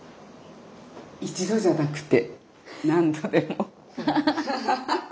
一度じゃなくて何度でも。